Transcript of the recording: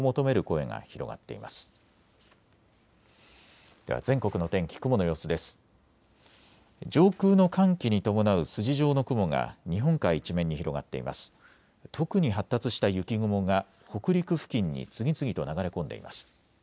特に発達した雪雲が北陸付近に次々と流れ込んでいます。